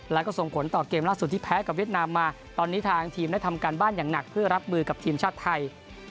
แล้วก็ส่งผลต่อเกมล่าสุดที่แพ้กับเวียดนามมาตอนนี้ทางทีมได้ทำการบ้านอย่างหนักเพื่อรับมือกับทีมชาติไทย